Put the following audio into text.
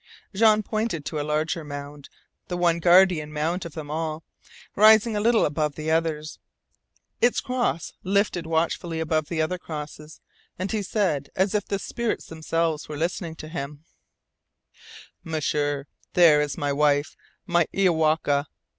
Jean pointed to a larger mound, the one guardian mound of them all, rising a little above the others, its cross lifted watchfully above the other crosses; and he said, as if the spirits themselves were listening to him: "M'sieur, there is my wife, my Iowaka.